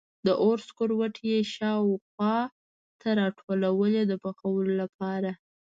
د اور سکروټي یې خوا و شا ته راټولوي د پخولو لپاره.